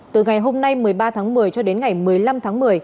từ ngày hôm nay một mươi ba tháng một mươi cho đến ngày một mươi năm tháng một mươi